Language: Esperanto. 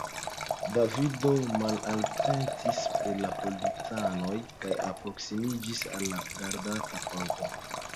Davido malatentis pri la policanoj kaj alproksimiĝis al la gardata pordo.